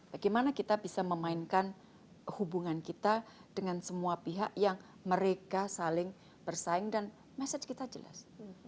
bagaimana kita bisa memainkan hubungan kita dengan semua pihak yang mereka saling bersaing dan message kita jelas